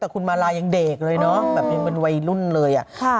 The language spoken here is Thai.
แต่คุณมาลายังเด็กเลยเนอะแบบยังเป็นวัยรุ่นเลยอะ